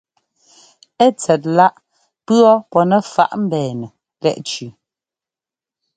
Ɛ́ tsɛt láꞌ pʉ̈ɔ́ pɔ́ nɛ faꞌ mbɛ́ɛnɛ lɛ́ꞌ tsʉʉ.